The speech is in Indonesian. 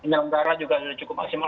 yang antara juga sudah cukup maksimal